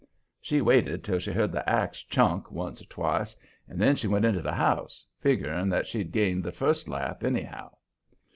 She waited till she heard the ax "chunk" once or twice, and then she went into the house, figgering that she'd gained the first lap, anyhow.